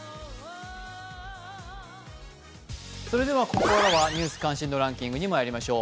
ここからは「ニュース関心度ランキング」にまいりましょう。